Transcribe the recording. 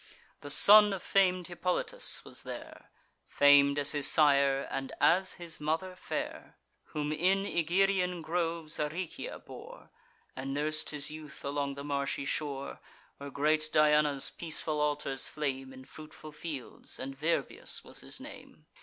The son of fam'd Hippolytus was there, Fam'd as his sire, and, as his mother, fair; Whom in Egerian groves Aricia bore, And nurs'd his youth along the marshy shore, Where great Diana's peaceful altars flame, In fruitful fields; and Virbius was his name.